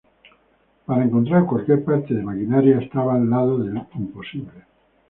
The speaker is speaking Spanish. Para encontrar cualquier parte de maquinaria… estaba al lado del imposible'.